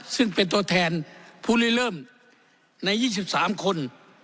ซึ่งเป็นตัวแทนผู้ลิเริ่มใน๒๓คน